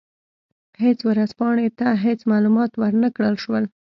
هېڅ ورځپاڼې ته هېڅ معلومات ور نه کړل شول.